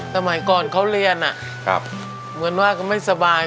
สมัยก่อนเขาเรียนเหมือนว่าเขาไม่สบาย